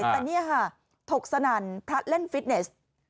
แต่นี่ทกศนัลพระเล่นฟิตเทนเซส